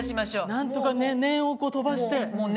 なんとか念を飛ばして。